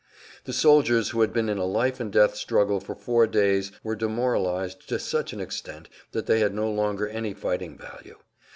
The soldiers who had been in a life and death struggle for four days were demoralized to such an extent that they had no longer any fighting value.